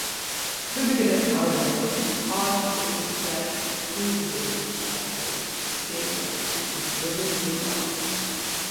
Duplicated already, all the copies try to devour Ash who seemingly destroys them all.